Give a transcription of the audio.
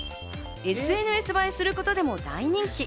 ＳＮＳ映えすることでも大人気。